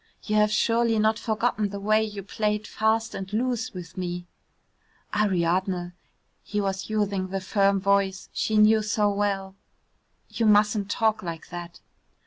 "You have surely not forgotten the way you played fast and loose with me?" "Ariadne," he was using the firm voice she knew so well, "you mustn't talk like that."